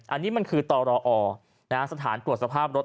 อันนี้มันคือตรอสถานตรวจสภาพรถ